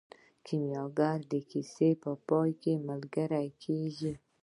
کیمیاګر د کیسې په پای کې ملګری کیږي.